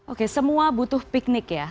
oke semua butuh piknik ya